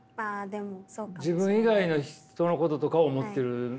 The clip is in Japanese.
自分以外の人のこととかを思っているんですね。